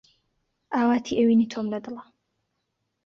ئاواتی ئەوینی تۆم لە دڵە